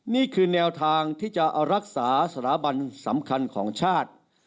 นี่คือแนวทางที่จะรักษาสถาบันสำคัญของชาติ